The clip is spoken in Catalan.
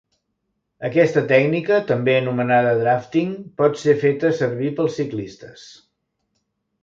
Aquesta tècnica, també anomenada Drafting pot ser feta servir pels ciclistes.